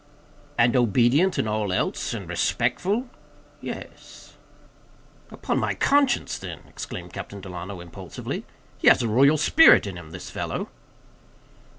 "And obedient in all else? And respectful?" "Yes." "Upon my conscience, then," exclaimed Captain Delano, impulsively, "he has a royal spirit in him, this fellow."